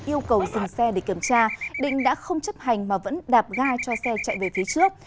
yêu cầu dừng xe để kiểm tra định đã không chấp hành mà vẫn đạp ga cho xe chạy về phía trước